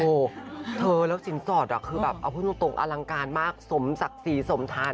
โอ้โหเธอแล้วสินสอดคือแบบเอาพูดตรงอลังการมากสมศักดิ์ศรีสมทาน